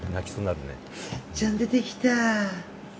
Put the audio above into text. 「あっちゃん出てきた！」